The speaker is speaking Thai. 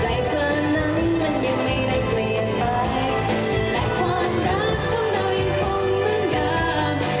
รายการนั้นมันยังไม่ได้เปลี่ยนไปและความรักของเรายังคงเหมือนเดิม